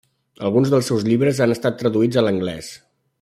Alguns dels seus llibres han estat traduïts a l'anglès.